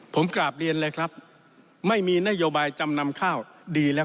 ผมกราบเรียนเลยครับไม่มีนโยบายจำนำข้าวดีแล้ว